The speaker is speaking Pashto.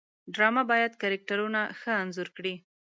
ډرامه باید کرکټرونه ښه انځور کړي